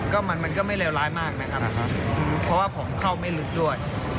ก็มันก็ไม่เลวร้ายมากนะครับเพราะว่าผมเข้าไม่ลึกด้วย